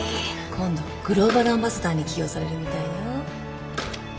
今度グローバルアンバサダーに起用されるみたいよ。